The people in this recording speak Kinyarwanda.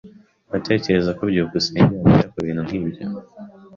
Uratekereza rwose ko byukusenge yabeshya kubintu nkibyo?